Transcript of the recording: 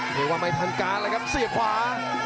ไม่ว่าไม่ทันการเลยครับสี่ขวา